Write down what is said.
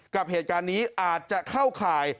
กับเหตุการณ์นี้อาจจะเข้าข่าย